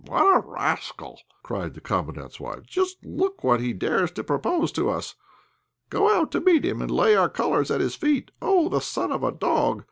"What a rascal," cried the Commandant's wife. "Just look what he dares to propose to us! To go out to meet him and lay our colours at his feet! Oh! the son of a dog!